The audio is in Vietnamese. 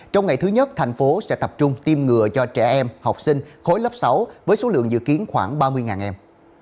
trong ngày thứ nhất thành phố sẽ tập trung tiêm ngừa cho trẻ em học sinh khối lớp sáu với số lượng dự kiến khoảng ba mươi em